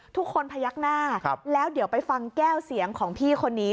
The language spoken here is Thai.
พยักหน้าแล้วเดี๋ยวไปฟังแก้วเสียงของพี่คนนี้